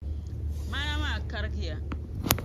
Maana maa karigiya.